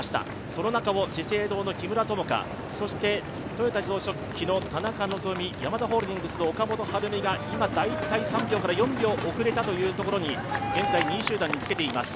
その中を資生堂の木村友香、そして豊田自動織機の田中希実、ヤマダホールディングスが岡本春美が今、大体３４秒遅れたというところに現在、２位集団につけています。